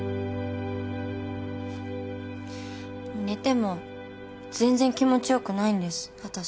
寝ても全然気持ち良くないんです私。